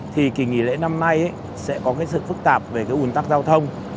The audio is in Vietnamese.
thì kỳ nghỉ lễ năm nay sẽ có sự phức tạp về ủn tắc giao thông